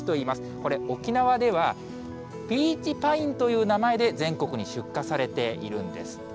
これ、沖縄ではピーチパインという名前で全国に出荷されているんです。